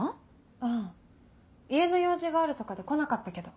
あぁ家の用事があるとかで来なかったけど。